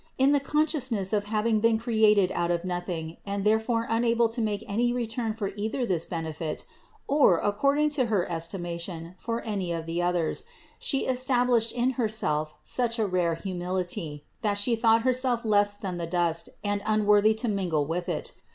In the consciousness of having been created out of nothing and therefore un able to make any return for either this benefit or, accord ing to her estimation, for any of the others, She estab lished in Herself such a rare humility, that She thought Herself less than the dust and unworthy to mingle with it.